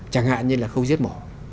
chẳng hạn như là khâu diết mổ